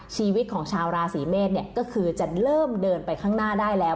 ชีวิตของชาวราศีเมษก็คือจะเริ่มเดินไปข้างหน้าได้แล้ว